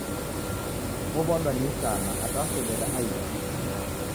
Ow'adwa ni isama hata wasodera aighu.